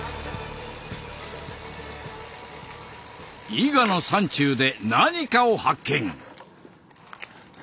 伊賀の山中で何かを発見。